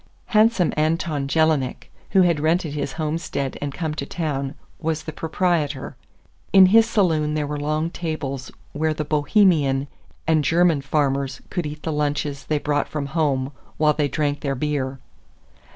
Handsome Anton Jelinek, who had rented his homestead and come to town, was the proprietor. In his saloon there were long tables where the Bohemian and German farmers could eat the lunches they brought from home while they drank their beer.